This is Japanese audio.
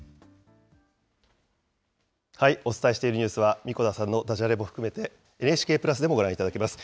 お伝えしているニュースは、神子田さんのだじゃれも含めて、ＮＨＫプラスでもご覧いただけます。